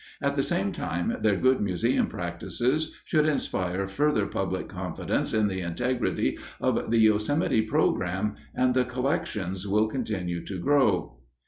At the same time, their good museum practices should inspire further public confidence in the integrity of the Yosemite program, and the collections will continue to grow.